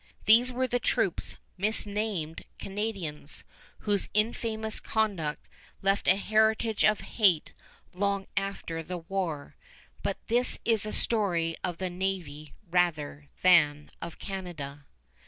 These were the troops misnamed "Canadians," whose infamous conduct left a heritage of hate long after the war; but this is a story of the navy rather than of Canada.